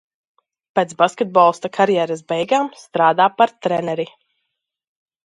Pēc basketbolista karjeras beigām strādā par treneri.